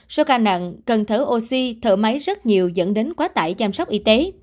số ca nặng cần thở oxy thở máy rất nhiều dẫn đến quá tải chăm sóc y tế